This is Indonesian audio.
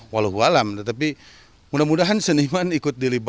walau walam tapi mudah mudahan seniman ikut dilibat